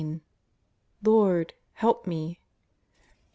" LORD^ HELP ME